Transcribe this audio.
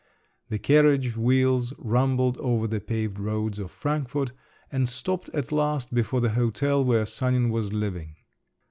The carriage wheels rumbled over the paved roads of Frankfort, and stopped at last before the hotel where Sanin was living.